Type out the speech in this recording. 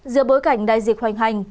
giữa bối cảnh đại dịch hoành hành